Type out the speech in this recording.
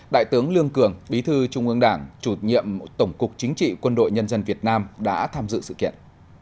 đại tướng lương cường bí thư trung ương đảng chủ nhiệm tổng cục chính trị quân đội nhân dân việt nam đã tham dự sự kiện